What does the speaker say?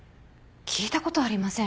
聞いたことありません